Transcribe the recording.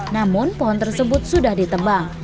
namun pohon tersebut sudah ditebang